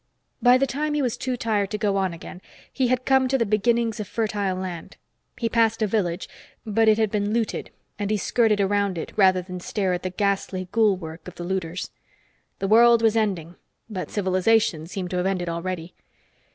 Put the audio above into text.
By the time he was too tired to go on again, he had come to the beginnings of fertile land. He passed a village, but it had been looted, and he skirted around it rather than stare at the ghastly ghoul work of the looters. The world was ending, but civilization seemed to have ended already.